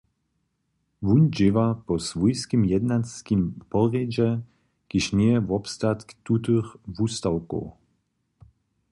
Wón dźěła po swójskim jednanskim porjedźe, kiž njeje wobstatk tutych wustawkow.